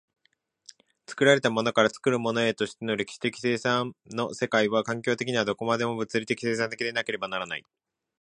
作られたものから作るものへとしての歴史的生産の世界は、環境的にはどこまでも物質的生産的でなければならない。